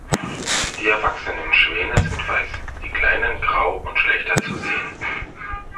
Die erwachsenen Schwäne sind weiß, die kleinen grau und schlechter zu sehen.